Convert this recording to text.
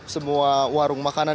semua warung makanan